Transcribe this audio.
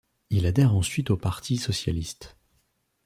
Il adhère ensuite au Parti socialiste.